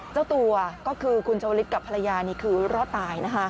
เจ้าตัวก็คือคุณชาวลิศกับภรรยานี่คือรอดตายนะคะ